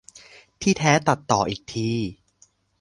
ที่แท้ตัดต่ออีกที